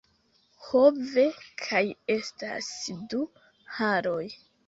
Ho ve kaj estas du haloj